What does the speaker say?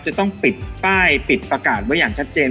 จะต้องปิดป้ายปิดประกาศไว้อย่างชัดเจน